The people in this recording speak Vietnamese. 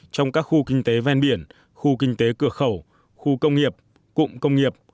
trong các khu kinh tế ven biển khu kinh tế cửa khẩu khu công nghiệp cụm công nghiệp